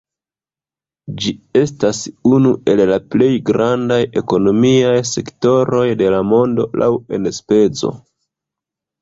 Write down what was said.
Ĝi estas unu el la plej grandaj ekonomiaj sektoroj de la mondo laŭ enspezo.